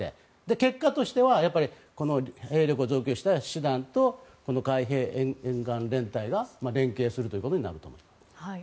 結果としては兵力を増強した師団と海兵沿岸連隊が連携することになると思います。